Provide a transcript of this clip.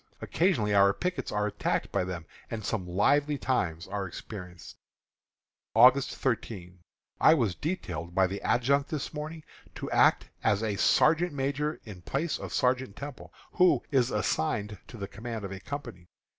Occasionally our pickets are attacked by them, and some lively times are experienced. August 13. I was detailed by the adjutant this morning to act as sergeant major in place of Sergeant Temple, who is assigned to the command of a company.